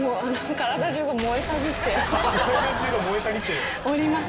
体中が燃えたぎってる。